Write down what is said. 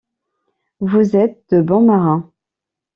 Vous êtes de bons marins.